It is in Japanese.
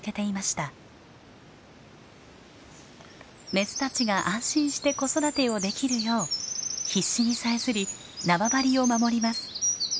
メスたちが安心して子育てをできるよう必死にさえずり縄張りを守ります。